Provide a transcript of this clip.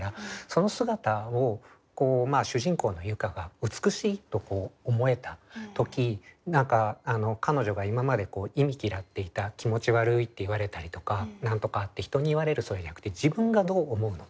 その姿を主人公の結佳が美しいと思えた時彼女が今まで忌み嫌っていた「気持ち悪い」って言われたりとか何とかって人に言われるじゃなくて自分がどう思うのか。